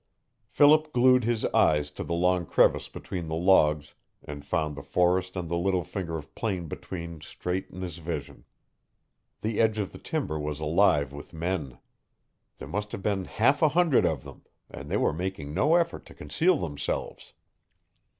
Philip glued his eyes to the long crevice between the logs and found the forest and the little finger of plain between straight in his vision. The edge of the timber was alive with men. There must have been half a hundred of them, and they were making no effort to conceal themselves.